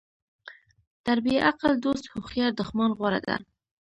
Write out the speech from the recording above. تر بیعقل دوست هوښیار دښمن غوره ده.